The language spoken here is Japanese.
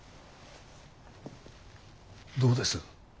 どうです？